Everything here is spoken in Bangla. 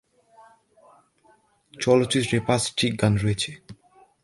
চলচ্চিত্রে পাঁচটি গান রয়েছে।